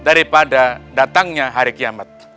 daripada datangnya hari kiamat